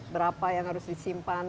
berapa yang harus disimpan